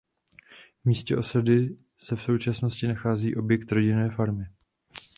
V místě osady se v současnosti nachází objekt rodinné farmy.